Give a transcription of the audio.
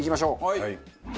はい。